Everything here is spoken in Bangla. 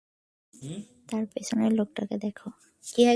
তার পেছনের লোকটাকে দেখো।